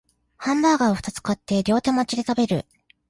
ハンバーガーをふたつ買って両手持ちで食べる